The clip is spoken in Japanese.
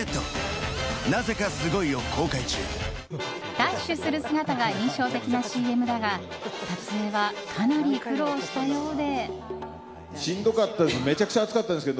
ダッシュする姿が印象的なＣＭだが撮影は、かなり苦労したようで。